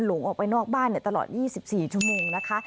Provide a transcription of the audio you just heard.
ลงไปนอกบ้านตลอด๒๔ชั่วโมงนะคะ